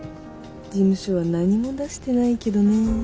事務所は何も出してないけどね。